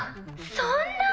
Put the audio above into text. そんなぁ。